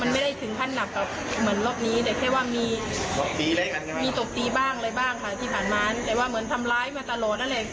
ที่บ้างเลยบ้างค่ะที่ผ่านมาแต่ว่าเหมือนทำลายมาตลอดอะไร